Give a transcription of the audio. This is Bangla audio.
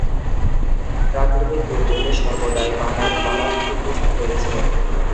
প্রাকৃতিক দুর্যোগে সর্বদাই বানারীপাড়া ক্ষতিগ্রস্ত হয়েছে।